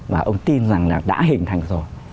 và ông tin rằng là đã hình thành rồi